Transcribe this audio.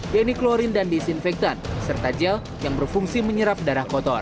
yaitu klorin dan disinfektan serta gel yang berfungsi menyerap darah kotor